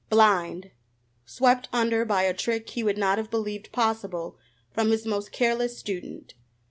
Blind! Swept under by a trick he would not have believed possible from his most careless student!